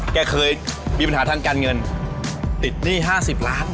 เคยมีปัญหาทางการเงินติดหนี้๕๐ล้าน